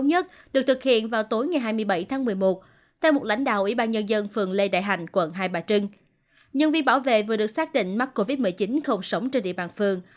nhân viên bảo vệ vừa được xác định mắc covid một mươi chín không sống trên địa bàn phường